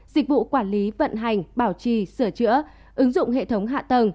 dịch vụ quản lý vận hành bảo trì sửa chữa ứng dụng hệ thống hạ tầng